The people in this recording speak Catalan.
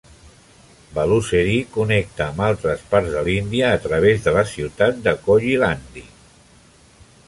Balussery connecta amb altres parts de l'Índia a través de la ciutat de Koyilandy.